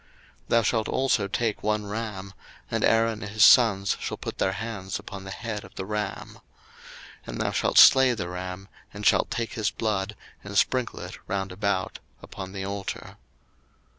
02:029:015 Thou shalt also take one ram; and Aaron and his sons shall put their hands upon the head of the ram. 02:029:016 And thou shalt slay the ram, and thou shalt take his blood, and sprinkle it round about upon the altar.